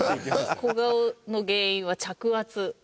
小顔の原因は着圧という。